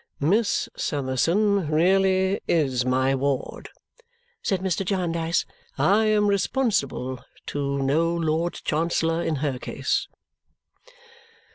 "Miss Summerson really is my ward," said Mr. Jarndyce. "I am responsible to no Lord Chancellor in her case."